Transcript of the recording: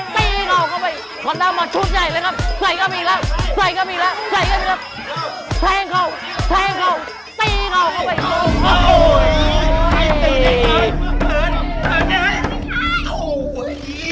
ตีเข้าเข้าไปคอนด้ามาชุดใหญ่เลยครับ